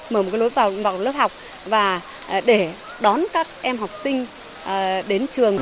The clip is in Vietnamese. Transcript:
mở một cái lối vào lớp học và để đón các em học sinh đến trường